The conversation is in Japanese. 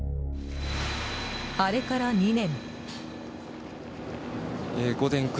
あれから２年。